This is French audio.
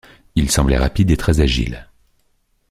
Il semblait rapide et très agile.